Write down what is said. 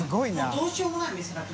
「どうしようもない」って。